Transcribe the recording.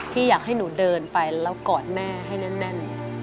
พี่อยากให้หนูเดินไปแล้วกอดแม่ให้แน่น